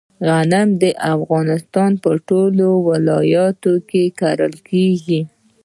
غنم د افغانستان په ټولو ولایتونو کې کرل کیږي.